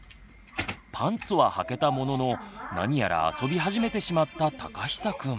パンツははけたものの何やら遊び始めてしまったたかひさくん。